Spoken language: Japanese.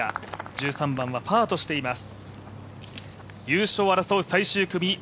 １３番はパーとしています。